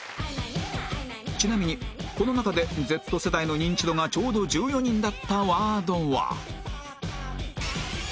ちなみにこの中で Ｚ 世代の認知度がちょうど１４人だったワードは